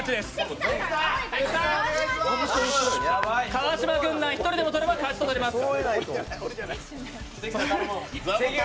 川島軍団、１人でも取れば勝ちとなります。